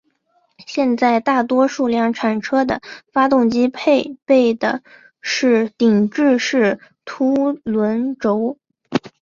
现在大多数量产车的发动机配备的是顶置式凸轮轴。